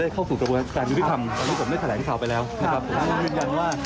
ขอผ่าไว้ก่อน